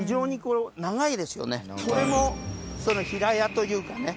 これも平屋というかね